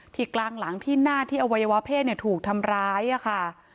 ที่กลางหลังที่หน้าที่อวัยวะเพศถูกทำร้ายค่ะ